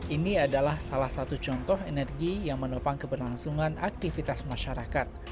ini adalah salah satu contoh energi yang menopang keberlangsungan aktivitas masyarakat